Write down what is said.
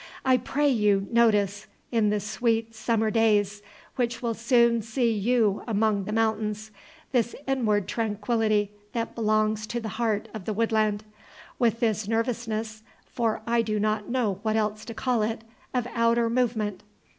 I pray you, notice, in the sweet summer days which will soon see you among the mountains, this inward tranquillity that belongs to the heart of the woodland, with this nervousness, for I do not know what else to call it, of outer movement.